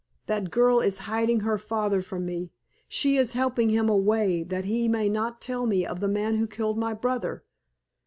That girl is hiding her father from me. She is helping him away that he may not tell me of the man who killed my brother!